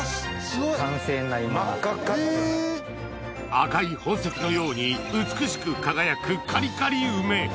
赤い宝石のように美しく輝くカリカリ梅